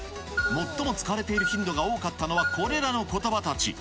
最も使われている頻度が多かったのは、これらのことばたち。